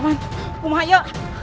aman rumah aya